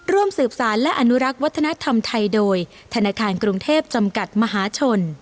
ร่วมสืบสารและอนุรักษ์วัฒนธรรมไทยโดยธนาคารกรุงเทพจำกัดมหาชน